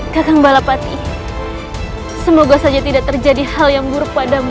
kacang balapati semoga saja tidak terjadi hal yang buruk padamu